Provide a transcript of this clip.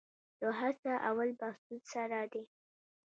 د حصه اول بهسود سړه ده